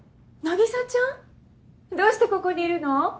凪沙ちゃん？どうしてここにいるの？